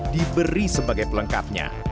diberi sebagai pelengkapnya